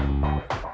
nih lu ngerti gak